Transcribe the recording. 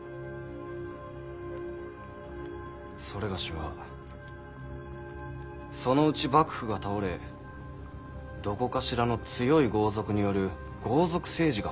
某はそのうち幕府が倒れどこかしらの強い豪族による豪族政治が始まると思います。